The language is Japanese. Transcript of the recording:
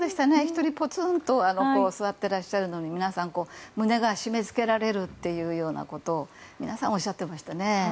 １人、ポツンと座ってらっしゃるのを皆さん、胸が締め付けられるようなことを皆さんおっしゃってましたね。